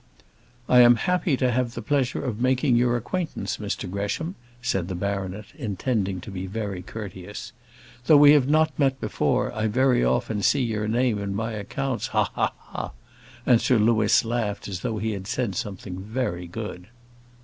"I am happy to have the pleasure of making your acquaintance, Mr Gresham," said the baronet, intending to be very courteous. "Though we have not met before, I very often see your name in my accounts ha! ha! ha!" and Sir Louis laughed as though he had said something very good.